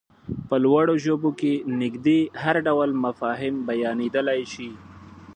په لوړو ژبو کې نږدې هر ډول مفاهيم بيانېدلای شي.